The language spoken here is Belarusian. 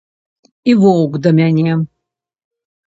І воўк да мяне.